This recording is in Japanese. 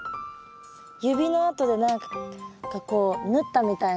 指の跡で何かこう縫ったみたいな。